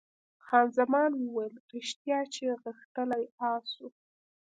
خان زمان وویل، ریښتیا چې غښتلی اس وو.